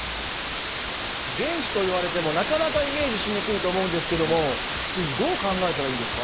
原子といわれてもなかなかイメージしにくいと思うんですけどもチーフどう考えたらいいんですか？